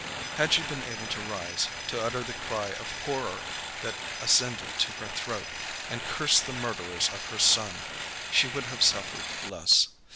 Had she been able to rise, to utter the cry of horror that ascended to her throat, and curse the murderers of her son, she would have suffered less.